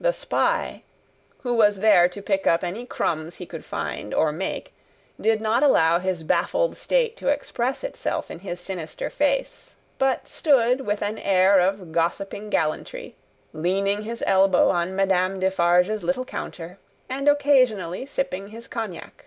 The spy, who was there to pick up any crumbs he could find or make, did not allow his baffled state to express itself in his sinister face; but, stood with an air of gossiping gallantry, leaning his elbow on Madame Defarge's little counter, and occasionally sipping his cognac.